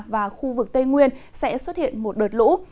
và khu vực tây nguyên sẽ xuất hiện một đợt lũ